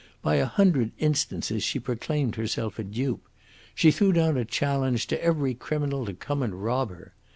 By a hundred instances she proclaimed herself a dupe. She threw down a challenge to every criminal to come and rob her.